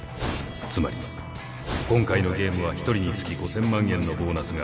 つまり今回のゲームは一人につき５，０００万円のボーナスが与えられるのです。